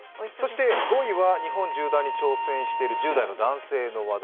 ５位は日本縦断に挑戦している１０代の男性の話題。